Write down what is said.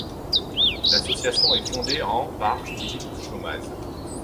L'association est fondée en par Philippe Chomaz.